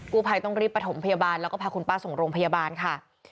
ภัยต้องรีบประถมพยาบาลแล้วก็พาคุณป้าส่งโรงพยาบาลค่ะ